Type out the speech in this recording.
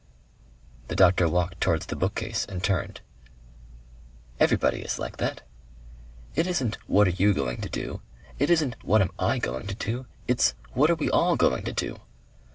The doctor walked towards the bookcase and turned. "Everybody is like that...it isn't what are you going to do? It isn't what am I going to do? It's what are we all going to do!...